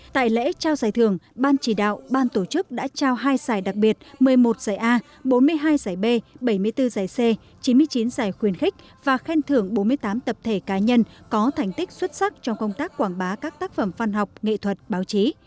tại lễ trao giải thưởng ban chỉ đạo ban tổ chức đã trao hai giải đặc biệt một mươi một giải a bốn mươi hai giải b bảy mươi bốn giải c chín mươi chín giải khuyên khích và khen thưởng bốn mươi tám tập thể cá nhân có thành tích xuất sắc trong công tác quảng bá các tác phẩm văn học nghệ thuật báo chí